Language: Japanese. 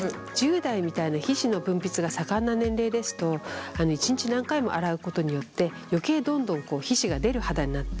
１０代みたいな皮脂の分泌が盛んな年齢ですと一日何回も洗うことによって余計どんどん皮脂が出る肌になって。